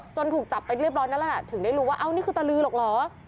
ถูกจับไปเรียบร้อยนั่นแหละถึงได้รู้ว่าเอ้านี่คือตะลือหรอกเหรอ